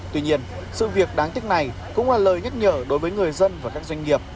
tuy nhiên sự việc đáng tiếc này cũng là lời nhắc nhở đối với người dân và các doanh nghiệp